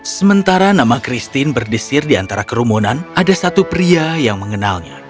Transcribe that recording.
sementara nama christine berdesir di antara kerumunan ada satu pria yang mengenalnya